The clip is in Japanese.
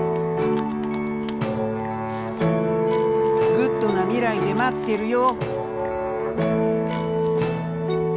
Ｇｏｏｄな未来で待ってるよ。